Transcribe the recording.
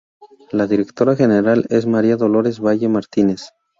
La directora general es María Dolores Valle Martínez.